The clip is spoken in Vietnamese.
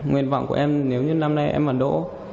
nguyện vọng của em nếu như năm nay em đỗ